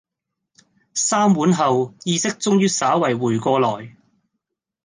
三碗後意識終於稍為回過來